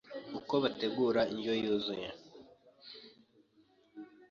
uko bategura Indyo yuzuye